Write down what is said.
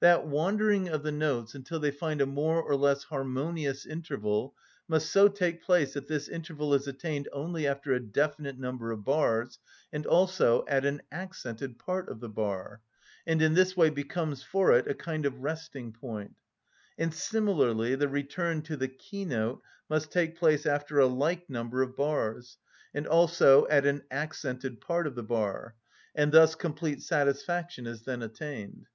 That wandering of the notes until they find a more or less harmonious interval must so take place that this interval is attained only after a definite number of bars, and also at an accented part of the bar, and in this way becomes for it a kind of resting‐point; and similarly the return to the keynote must take place after a like number of bars, and also at an accented part of the bar, and thus complete satisfaction is then attained.